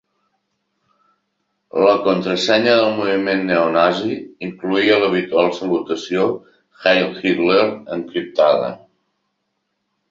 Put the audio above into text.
La contrasenya del moviment neonazi encloïa l'habitual salutació «Heil Hitler!» encriptada.